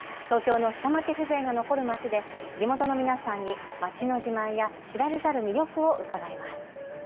東京の下町風情が残る街で地元の皆さんに街の自慢や知られざる魅力を伺います。